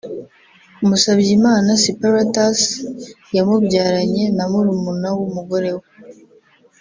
Musabyimana Siperatus yamubyaranye na murumuna w’umugore we